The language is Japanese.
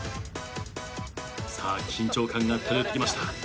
緊張感が漂ってきました。